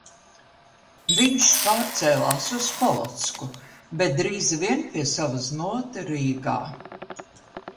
Viņš pārcēlās uz Polocku, bet drīz vien pie sava znota Rīgā.